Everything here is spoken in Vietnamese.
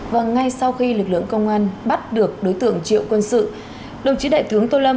và ngay sau khi lực lượng công an bắt được đối tượng triệu quân sự đồng chí đại tướng tô lâm